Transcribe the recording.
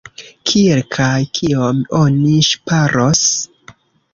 Kiel kaj kiom oni ŝparos?